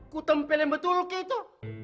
kutempelin betul gitu